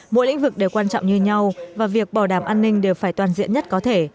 mỗi lĩnh vực đều quan trọng như nhau và việc bảo đảm an ninh đều phải toàn diện nhất có thể